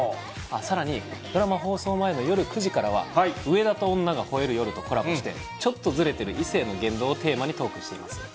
さらに、ドラマ放送前の夜９時からは、上田と女が吠える夜とコラボして、ちょっとズレている異性の言動をテーマにトークしています。